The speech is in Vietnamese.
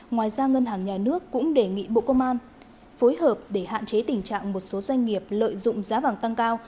ngoài ra ngân hàng nhà nước cũng đề nghị bộ công an phối hợp để hạn chế tình trạng một số doanh nghiệp lợi dụng giá vàng tăng cao